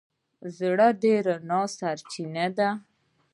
زړه د رڼا سرچینه ده.